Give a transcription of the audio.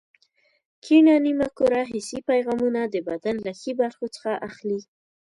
کیڼه نیمه کره حسي پیغامونه د بدن له ښي برخو څخه اخلي.